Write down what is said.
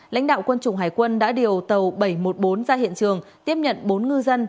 lãnh đạo quân chủng hải quân đã điều tàu bảy trăm một mươi bốn ra hiện trường tiếp nhận bốn ngư dân